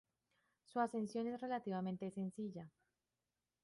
Su ascensión es relativamente sencilla.